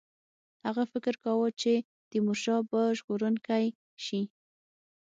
هغه فکر کاوه چې تیمورشاه به ژغورونکی شي.